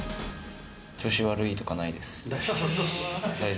調子悪いとかないです。